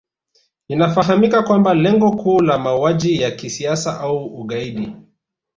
Inafahamika kwamba lengo kuu la mauaji ya kisiasa au ugaidi